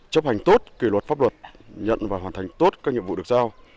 chấp hành tốt kỷ luật pháp luật nhận và hoàn thành tốt các nhiệm vụ được giao